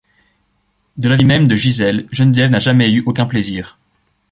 De l'avis même de Giselle, Geneviève n'a jamais eu aucun plaisir.